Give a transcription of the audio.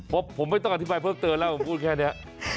ผมไม่ต้องอธิบายเพิ่มเติมแล้วผมพูดแค่นี้